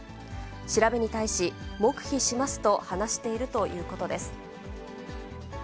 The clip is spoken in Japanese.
調べに対し、黙秘しますと話しているということです。